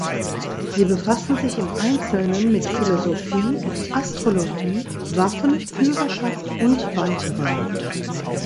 Sie befassen sich im Einzelnen mit Philosophie, Astrologie, Waffen, Führerschaft und Weiterem.